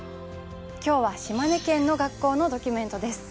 きょうは島根県の学校のドキュメントです。